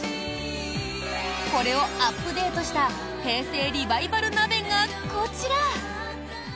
これをアップデートした平成リバイバル鍋がこちら。